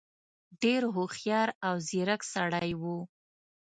ډېر هوښیار او ځيرک سړی وو.